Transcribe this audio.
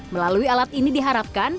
melalui alat ini diharapkan